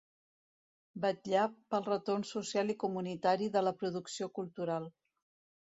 Vetllar pel retorn social i comunitari de la producció cultural.